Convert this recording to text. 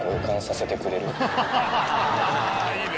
いいね。